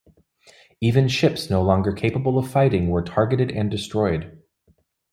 Even ships no longer capable of fighting were targeted and destroyed.